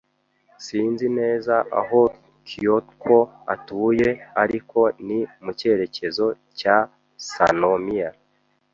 Sinzi neza aho Kyoko atuye, ariko ni mu cyerekezo cya Sannomiya.